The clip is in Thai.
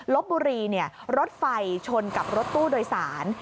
ลบบุรีรถไฟชนกับรถตู้โดยสาร